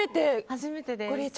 初めてです。